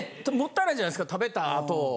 勿体ないじゃないですか食べたあと。